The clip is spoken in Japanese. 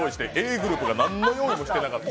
ｇｒｏｕｐが何の用意もしてなかった。